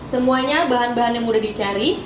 semuanya bahan bahan yang mudah dicari